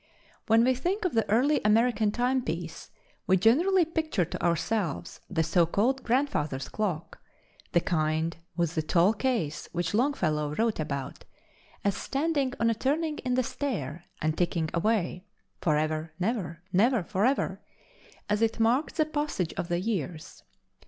When we think of the early American timepiece, we generally picture to ourselves the so called "Grandfather's Clock," the kind with the tall case which Longfellow wrote about as standing on a turning in the stair and ticking away: "Forever!" "Never!" "Never!" "Forever!" as it marked the passage of the years.